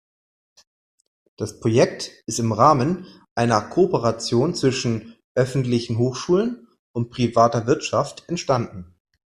Das Projekt ist im Rahmen einer Kooperation zwischen öffentlichen Hochschulen und privater Wirtschaft entstanden.